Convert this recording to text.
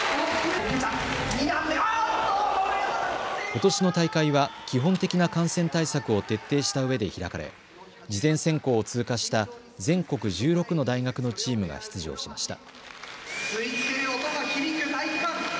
ことしの大会は基本的な感染対策を徹底したうえで開かれ事前選考を通過した全国１６の大学のチームが出場しました。